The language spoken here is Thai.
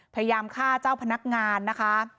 พยายามฆ่าเจ้าพนักงานนะคะ